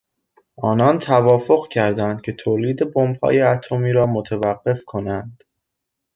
آنان توافق کردند که تولید بمبهای اتمی را متوقف کنند.